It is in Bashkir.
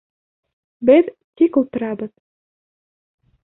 Беҙ тик ултырабыҙ.